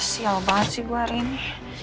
sial banget sih bu hari ini